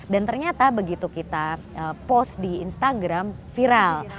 dan ternyata begitu kita post di instagram viral